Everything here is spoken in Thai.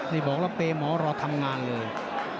นี่บอกแล้วเปย์หมอรอทำงานเลย